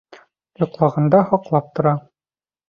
Йоҡлағанда һаҡлап тора.